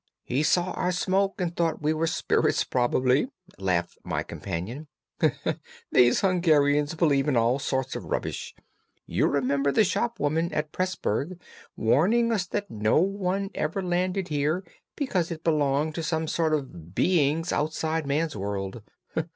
"He saw our smoke, and thought we were spirits probably," laughed my companion. "These Hungarians believe in all sorts of rubbish; you remember the shopwoman at Pressburg warning us that no one ever landed here because it belonged to some sort of beings outside man's world!